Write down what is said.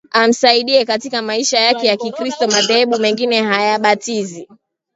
amsaidie katika maisha yake ya Kikristo Madhehebu mengine hayabatizi